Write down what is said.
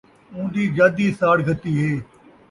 اوندی جد ءِی ساڑ گھتی ہے